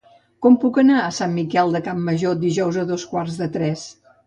Com puc anar a Sant Miquel de Campmajor dijous a dos quarts de tres?